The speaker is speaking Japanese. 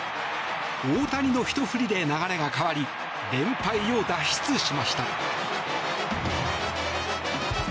大谷のひと振りで流れが変わり連敗を脱出しました。